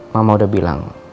mama udah bilang